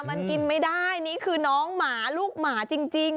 มันกินไม่ได้นี่คือน้องหมาลูกหมาจริง